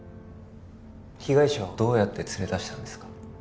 被害者をどうやって連れ出したんですか？